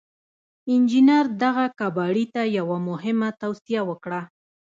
انجنير دغه کباړي ته يوه مهمه توصيه وکړه.